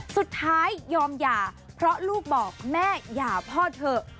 สุดท้ายยอมหย่าเพราะลูกบอกแม่หย่าพ่อเถอะ